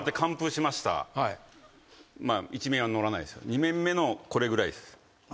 ２面目のこれぐらいです。